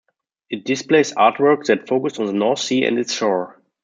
It displays artworks that focus on the North Sea and its shore.